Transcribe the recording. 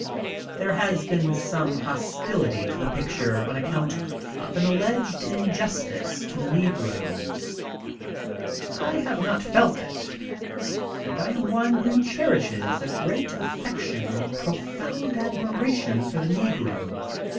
There has been some hostility to the picture on account of an alleged injustice to the negroes. I have not felt it; and I am one who cherishes a great affection and a pro found admiration for the negro.